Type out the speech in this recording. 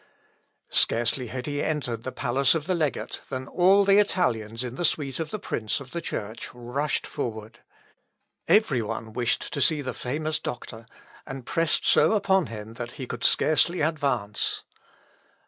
Scarcely had he entered the palace of the legate, than all the Italians in the suite of the prince of the Church rushed forward. Every one wished to see the famous doctor, and pressed so upon him that he could scarcely advance.